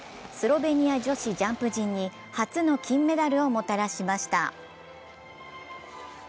スロベニア女子ジャンプ陣に初の金メダルをもたらしました。